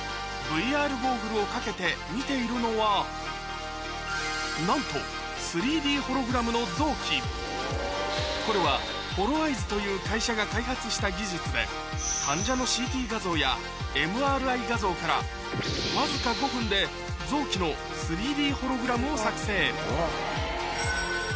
ＶＲゴーグルを掛けて見ているのはなんと３Ｄホログラムの臓器これはＨｏｌｏｅｙｅｓという会社が開発した技術で患者のＣＴ画像やＭＲＩ画像からわずか５分で臓器の３Ｄホログラムを作成